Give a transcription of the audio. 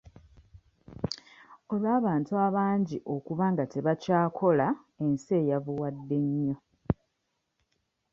Olw'abantu abangi okuba nga tebakyakola ensi eyavuwadde nnyo.